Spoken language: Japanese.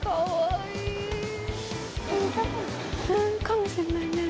かもしんないね。